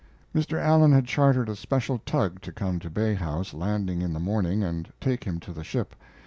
Mr. Allen had chartered a special tug to come to Bay House landing in the morning and take him to the ship.